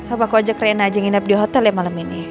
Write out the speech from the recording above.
apa kok ajak rena aja nginep di hotel ya malam ini